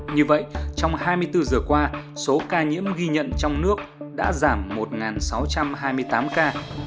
như vậy trong hai mươi bốn giờ qua số ca nhiễm ghi nhận trong nước đã giảm một sáu trăm hai mươi tám ca